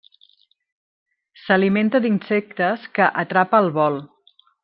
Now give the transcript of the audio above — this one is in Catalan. S'alimenta d'insectes que atrapa al vol.